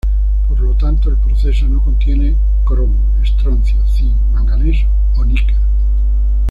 Por lo tanto, el proceso no contiene cromo, estroncio, zinc, manganeso o níquel.